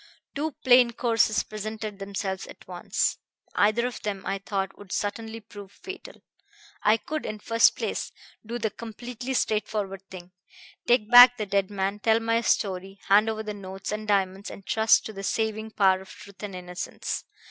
"Two plain courses presented themselves at once. Either of them, I thought, would certainly prove fatal. I could, in the first place, do the completely straightforward thing: take back the dead man, tell my story, hand over the notes and diamonds, and trust to the saving power of truth and innocence.